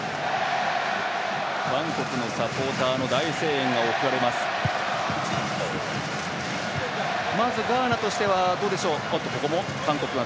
韓国のサポーターの大声援が送られます。